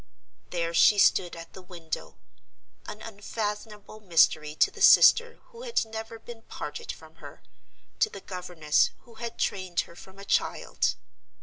There she stood at the window, an unfathomable mystery to the sister who had never been parted from her, to the governess who had trained her from a child.